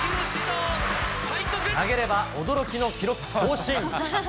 投げれば驚きの記録更新。